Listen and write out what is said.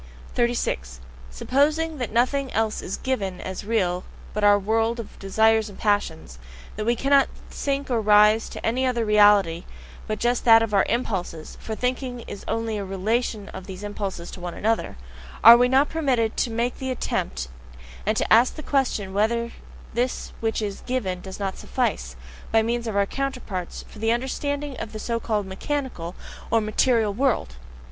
36. Supposing that nothing else is "given" as real but our world of desires and passions, that we cannot sink or rise to any other "reality" but just that of our impulses for thinking is only a relation of these impulses to one another: are we not permitted to make the attempt and to ask the question whether this which is "given" does not SUFFICE, by means of our counterparts, for the understanding even of the so called mechanical (or "material") world?